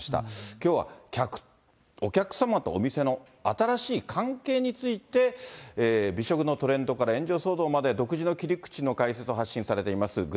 きょうはお客様とお店の新しい関係について、美食のトレンドから炎上騒動まで独自の切り口の解説の発信をされていらっしゃいます